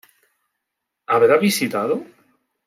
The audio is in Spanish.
¿Habrá visitado?